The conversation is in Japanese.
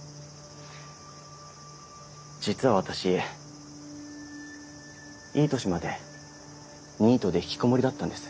実は私いい年までニートで引きこもりだったんです。